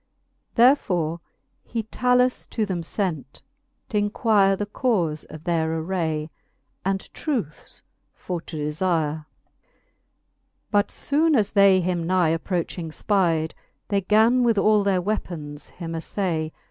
Therefore he Talus to them lent, t'inquire The caufe of their aray, and truce for to delire. LIII. But Ibone as they him nigh approching Ipide, They gan with all their weapons him aflay.